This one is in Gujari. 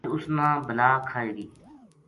اج اس نا بلا کھائے گی‘‘